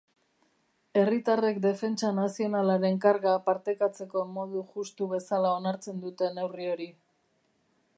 Herritarrek defentsa nazionalaren karga partekatzeko modu justu bezala onartzen dute neurri hori.